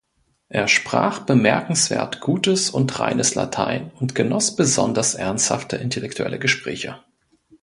Er sprach bemerkenswert gutes und reines Latein und genoss besonders ernsthafte intellektuelle Gespräche.